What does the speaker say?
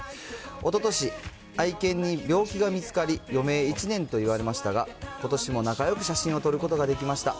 おととし、愛犬に病気が見つかり、余命１年と言われましたが、ことしも仲よく写真を撮ることができました。